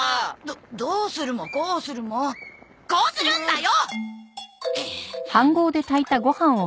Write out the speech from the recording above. どどうするもこうするもこうするんだよ！